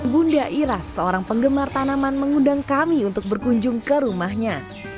bunda iras seorang penggemar tanaman mengundang kami untuk berkunjung ke rumahnya